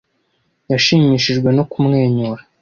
Yashimishijwe no kumwenyura.